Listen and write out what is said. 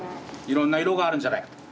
いろんな色があるんじゃないかと。